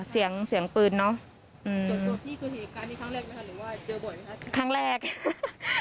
เสียงเสียงปืนเนอะอืมที่ก็เห็นการที่ครั้งแรกไหมคะ